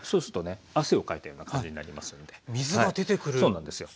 そうなんですよ。